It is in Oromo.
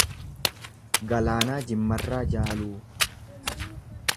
Galaanaa Jimmarraa Jaaluu